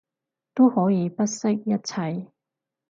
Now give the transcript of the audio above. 都可以不惜一切